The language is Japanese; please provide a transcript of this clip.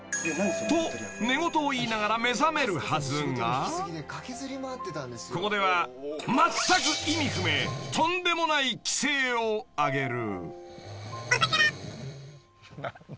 ［と寝言を言いながら目覚めるはずがここではまったく意味不明とんでもない奇声を上げる］